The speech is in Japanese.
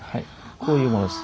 こういうものです。